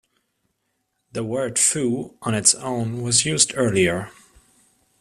The word "foo" on its own was used earlier.